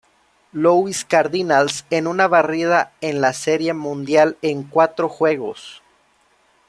Louis Cardinals en una barrida en la Serie Mundial en cuatro juegos.